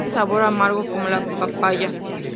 Es de sabor amargo, como la pacaya.